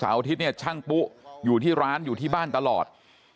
สุขสารอาทิตย์ช่างปู้อยู่ที่ร้านอยู่ที่บ้านตลอด